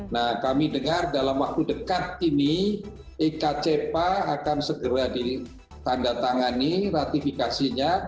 nah kami dengar dalam waktu dekat ini ikcepa akan segera ditandatangani ratifikasinya